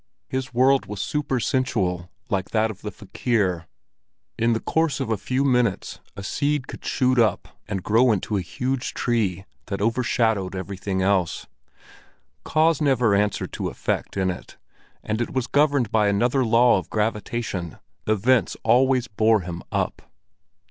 His world was supersensual like that of the fakir; in the course of a few minutes a little seed could shoot up and grow into a huge tree that overshadowed everything else. Cause never answered to effect in it, and it was governed by another law of gravitation: events always bore him up.